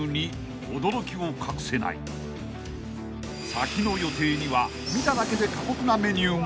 ［先の予定には見ただけで過酷なメニューも］